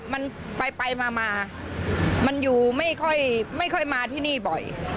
มันไปไปมามามันอยู่ไม่ค่อยไม่ค่อยมาที่นี่บ่อย